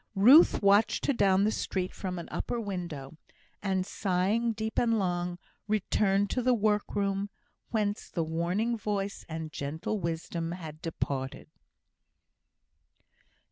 Ruth watched her down the street from an upper window, and, sighing deep and long, returned to the workroom, whence the warning voice and the gentle wisdom had departed.